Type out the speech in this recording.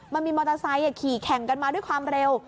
มันมีมอเตอร์ไซค์ขี่แข่งกันมาด้วยความเร็ว